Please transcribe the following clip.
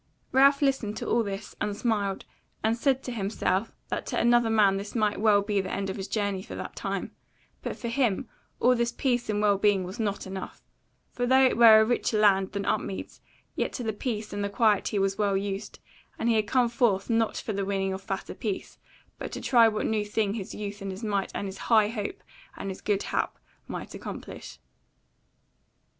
Ralph listened to all this, and smiled, and said to himself that to another man this might well be the end of his journey for that time; but for him all this peace and well being was not enough; for though it were a richer land than Upmeads, yet to the peace and the quiet he was well used, and he had come forth not for the winning of fatter peace, but to try what new thing his youth and his might and his high hope and his good hap might accomplish.